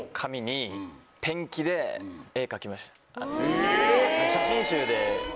え。